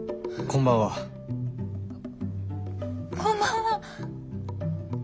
こんばんは。